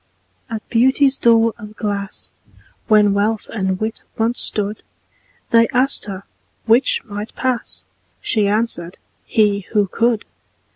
At Beauty's door of glass, When Wealth and Wit once stood, They asked her 'which might pass?" She answered, "he, who could."